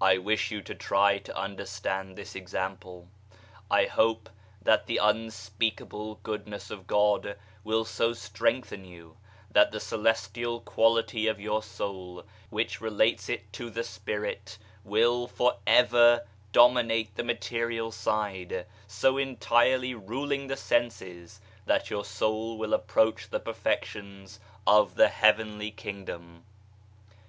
I wish you to try to understand this example. I hope that the unspeakable goodness of God will so strengthen you that the celestial quality of your soul, which relates it to the Spirit, will for ever dominate the material side, so entirely ruling the senses that your soul will approach the perfections of the Heavenly Kingdom.